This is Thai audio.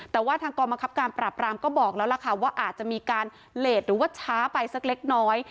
แต่ว่าทางกรมคับการปราบรามก็บอกแล้วล่ะค่ะว่าอาจจะมีการเลสหรือว่าช้าไปสักเล็กน้อย